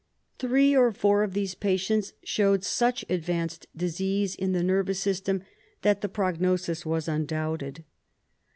Three or four of these patients showed such advanced disease in the nervous system that the prognosis was undoubted.